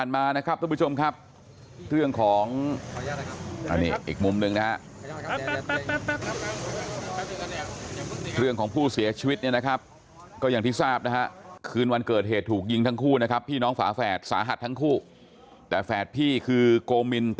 ว่าเกิดอะไรยังไงขึ้น